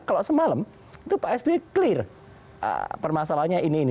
kalau semalam itu pak sby clear permasalahannya ini ini